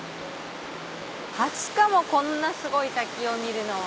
初かもこんなすごい滝を見るのは。